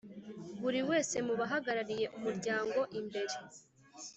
Buri wese mu Bahagarariye umuryango imbere